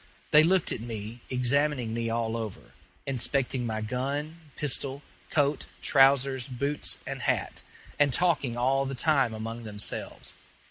They looked at me, examining me all over, inspecting my gun, pistol, coat, trousers, boots, and hat, and talking all the time among themselves.